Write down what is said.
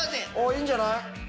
いいんじゃない？